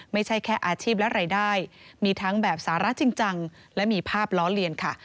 ไม่ใช่แค่อาชีพและรายได้มีทั้งแบบสาระจริงจังและมีภาพล้อเลียนค่ะ